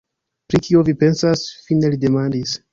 Pri kio vi pensas? fine li demandis.